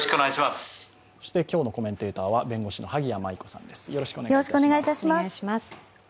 今日のコメンテーターは弁護士の萩谷麻衣子さんです。